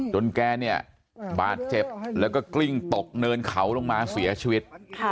แกเนี่ยบาดเจ็บแล้วก็กลิ้งตกเนินเขาลงมาเสียชีวิต